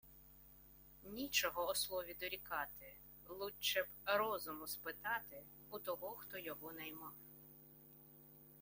Нічого Ослові дорікати Лучче б розуму спитати У того, хто його наймав.